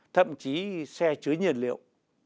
thậm chí xe chứa nhiên liệu